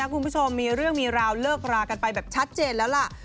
คุณผู้ชมมีเรื่องมีราวเลิกรากันไปแบบชัดเจนแล้วล่ะ